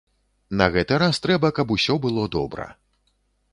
На гэты раз трэба, каб усё было добра.